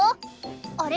あれ？